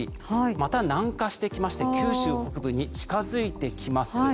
また南下してきまして九州北部に近づいてきます。